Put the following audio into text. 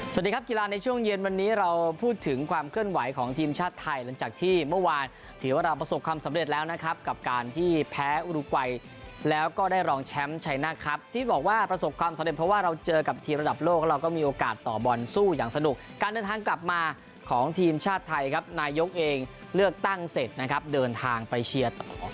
สวัสดีครับกีฬาในช่วงเย็นวันนี้เราพูดถึงความเคลื่อนไหวของทีมชาติไทยหลังจากที่เมื่อวานถือว่าเราประสบความสำเร็จแล้วนะครับกับการที่แพ้อุรุกวัยแล้วก็ได้รองแชมป์ชัยนาคครับที่บอกว่าประสบความสำเร็จเพราะว่าเราเจอกับทีมระดับโลกแล้วเราก็มีโอกาสต่อบอลสู้อย่างสนุกการเดินทางกลับมาของทีมชาติไทยครับนายกเองเลือกตั้งเสร็จนะครับเดินทางไปเชียร์ต่อ